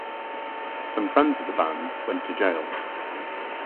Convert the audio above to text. Some friends of the band went to jail.